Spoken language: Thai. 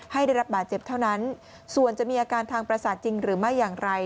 ได้รับบาดเจ็บเท่านั้นส่วนจะมีอาการทางประสาทจริงหรือไม่อย่างไร